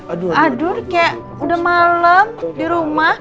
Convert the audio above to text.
aduh kayak udah malem dirumah